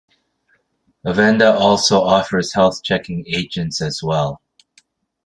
Avenda also offers health checking agents as well.